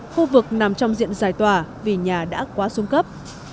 khu vực nằm trong diện giải tỏa vì nhà đã quá xuống cấp